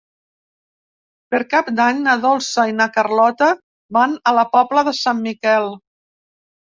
Per Cap d'Any na Dolça i na Carlota van a la Pobla de Sant Miquel.